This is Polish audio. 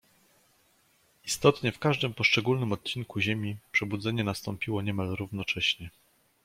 "Istotnie w każdym poszczególnym odcinku ziemi przebudzenie nastąpiło niemal równocześnie."